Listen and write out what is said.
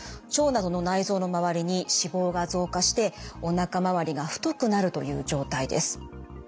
腸などの内臓の周りに脂肪が増加しておなか回りが太くなるという状態です。